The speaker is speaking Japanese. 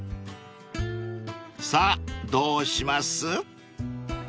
［さぁどうします？］